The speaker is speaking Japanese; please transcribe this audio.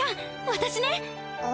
私ね！